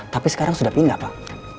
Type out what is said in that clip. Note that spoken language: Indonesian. tapi sekarang sudah pindah pak